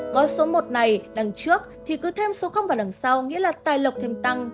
gói số một này đằng trước thì cứ thêm số vào đằng sau nghĩa là tài lộc thêm tăng